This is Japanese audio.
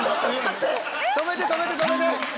止めて止めて止めて！